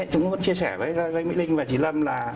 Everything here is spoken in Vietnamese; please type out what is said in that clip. chúng tôi chia sẻ với anh mỹ linh và chị lâm là